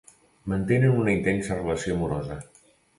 Mantenen una intensa relació amorosa.